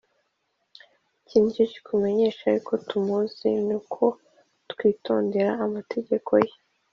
” “iki ni cyo kitumenyesha yuko tumuzi, ni uko twitondera amategeko ye